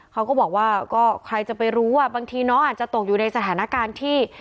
เขาก็บอกว่าก็ใครจะไปรู้ว่าบางทีน้องอาจจะตกอยู่ในสถานการณ์ที่